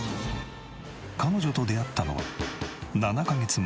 彼女と出会ったのは７カ月前。